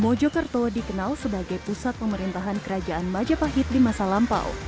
mojokerto dikenal sebagai pusat pemerintahan kerajaan majapahit di masa lampau